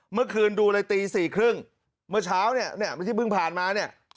เมื่อคืนดูเลยตี๔๓๐เมื่อเช้าที่เพิ่งผ่านมา